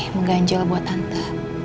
ini mungkir anjol buat tante